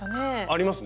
あります？